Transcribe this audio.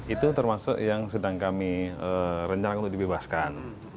itu termasuk yang sedang kami rencanakan untuk dibebaskan